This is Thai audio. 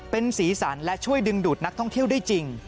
เป็นสีสันและช่วยดึงดูดนักท่องเที่ยวได้จริง